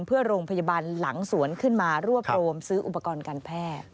เพื่อโรงพยาบาลหลังสวนขึ้นมารวบรวมซื้ออุปกรณ์การแพทย์